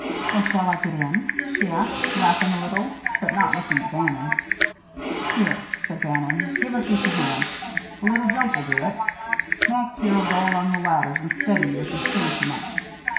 "How shall I get in?" she asked, laughing a little, but not looking at Bannon. "Here," said Bannon, "give us each a hand. A little jump'll do it. Max here'll go along the ladders and steady you if you swing too much.